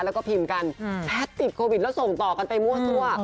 แล้วก็พิมพ์กันแพทย์ติดโควิดแล้วส่งต่อกันไปมั่วซั่ว